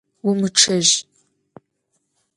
Vumıççej!